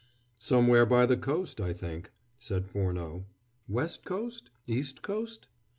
"Somewhere by the coast I think," said Furneaux. "West coast? East coast?"